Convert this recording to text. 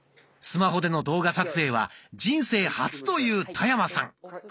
スマホでの動画撮影は人生初という田山さん。